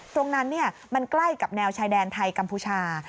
ตรงนั้นมันใกล้กับแนวชายแดนไทยกัมพูชา